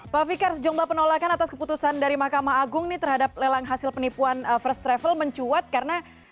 pak fikar sejumlah penolakan atas keputusan dari mahkamah agung ini terhadap lelang hasil penipuan first travel mencuat karena